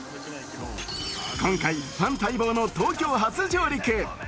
今回、ファン待望の東京初上陸。